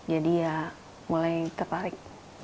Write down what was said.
jadi ya mulai tertarik